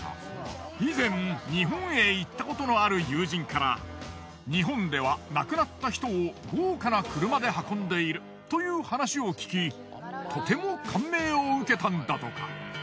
以前日本へ行ったことのある友人から日本では亡くなった人を豪華な車で運んでいるという話を聞きとても感銘を受けたんだとか。